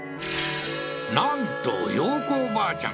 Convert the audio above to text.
なんと洋子おばあちゃん